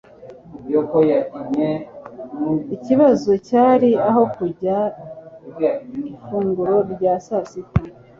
Ikibazo cyari aho kurya ifunguro rya sasita.